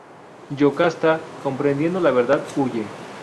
Yocasta, comprendiendo la verdad, huye.